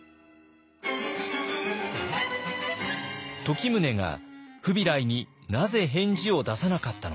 時宗がフビライになぜ返事を出さなかったのか。